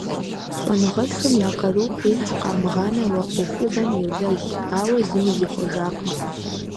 ЩӀэныгъэлӀхэм я къару къихь къамыгъанэу а Ӏуэхугъуэм йолэжь, ауэ зыми зихъуэжакъым.